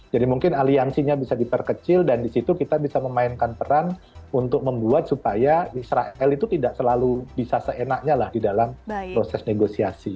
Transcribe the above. jadi mungkin aliansi nya bisa diperkecil dan disitu kita bisa memainkan peran untuk membuat supaya israel itu tidak selalu bisa seenaknya lah di dalam proses negosiasi